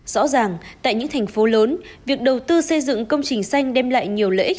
rõ ràng tại những thành phố lớn việc đầu tư xây dựng công trình xanh đem lại nhiều lợi ích